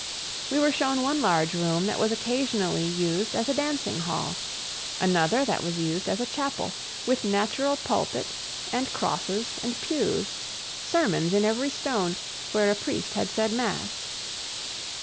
We were shown one large room that was occasionally used as a dancing hall; another that was used as a chapel, with natural pulpit and crosses and pews, sermons in every stone, where a priest had said mass.